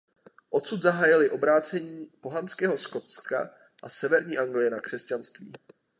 Odsud zahájili obrácení pohanského Skotska a severní Anglie na křesťanství.